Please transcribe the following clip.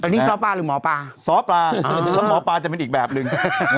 อันนี้ซ้อปลาหรือหมอปลาซ้อปลาแล้วหมอปลาจะเป็นอีกแบบหนึ่ง